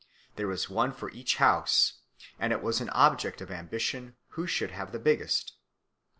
_ There was one for each house, and it was an object of ambition who should have the biggest.